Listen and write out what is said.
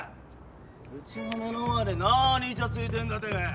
うちの目の前で何イチャついてんだてめえ！